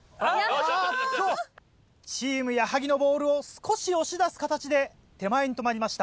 チーム矢作のボールを少し押し出す形で手前に止まりました。